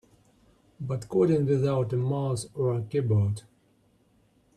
But coding without a mouse or a keyboard?